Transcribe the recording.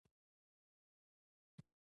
مکوه په چا چی وبه شی په تا